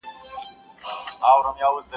ځوانان هڅه کوي هېر کړي ډېر.